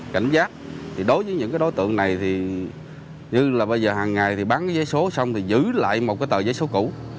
cảnh giác thì đối với những cái đối tượng này thì như là bây giờ hàng ngày thì bán giấy số xong thì giữ lại một cái tờ giấy số cũ